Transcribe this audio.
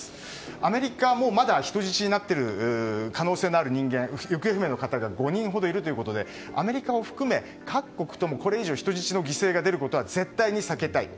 アメリカもまだ人質になっている可能性のある人や行方不明の方が５人ほどいるということでアメリカを含め、各国ともこれ以上人質の犠牲が出ることは絶対に避けたいと。